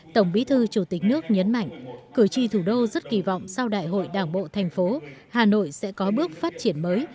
tổng bí thư chủ tính nước nhấn mạnh cử tri thủ đô rất kỳ vọng sau đại hội đảng bộ tp hà nội sẽ có bước phát triển mới